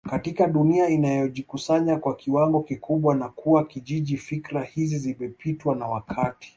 katika dunia inayojikusanya kwa kiwango kikubwa na kuwa kijiji fikra hizi zimepitwa na wakati